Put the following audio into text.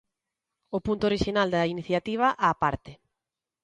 O punto orixinal da iniciativa á parte.